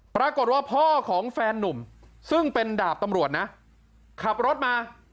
ปรากฏว่าพ่อของแฟนนุ่มซึ่งเป็นดาบตำรวจนะขับรถมา